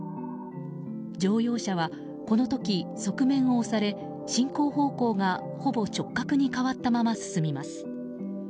乗用車はこの時、側面を押され進行方向がほぼ直角に変わったまま進みます。